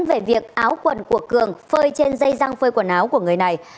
về việc áo quần của cường phơi trên dây răng phơi quần áo của người này